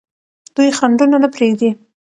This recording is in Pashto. دوی خنډونه نه پرېږدي.